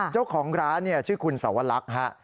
เจ้าของร้านชื่อคุณสวรรคฮะ